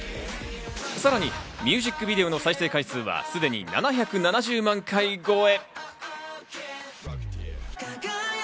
さらにミュージックビデオの総再生回数はすでに７７０万回越え。